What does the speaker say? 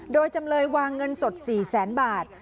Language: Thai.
โดยจำเลยวางเงินสด๔แสนบาท